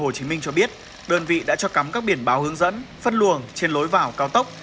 hồ chí minh cho biết đơn vị đã cho cắm các biển báo hướng dẫn phân luồng trên lối vào cao tốc